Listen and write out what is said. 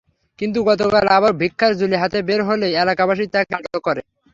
কিন্তু গতকাল আবারও ভিক্ষার ঝুলি হাতে বের হলে এলাকাবাসী তাঁকে আটক করে।